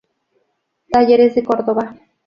Talleres de Córdoba.